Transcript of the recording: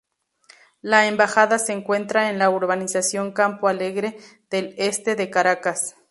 La Embajada se encuentra en la urbanización Campo Alegre del este de Caracas.